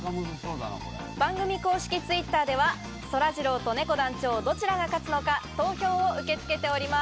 番組公式Ｔｗｉｔｔｅｒではそらジローとねこ団長、どちらが勝つのか投票を受け付けております。